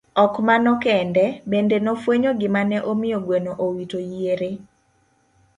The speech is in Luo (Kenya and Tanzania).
Ok mano kende, bende nofwenyo gima ne omiyo gweno owito yiere.